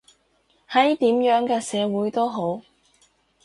喺點樣嘅社會都好